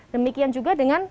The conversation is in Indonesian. demikian juga dengan